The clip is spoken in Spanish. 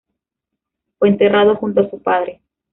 Fue enterrado junto a su padre.